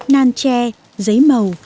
nan tre giấy màu